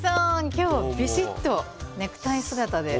今日ビシッとネクタイ姿で。